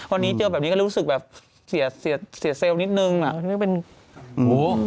วันนี้เจอแบบนี้ก็รู้สึกแบบเสียเซลล์นิดหนึ่ง